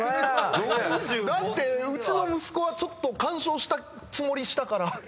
だってうちの息子はちょっと干渉したつもりしたから。